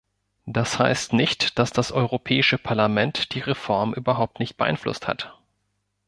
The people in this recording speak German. Das heißt nicht, dass das Europäische Parlament die Reform überhaupt nicht beeinflusst hat.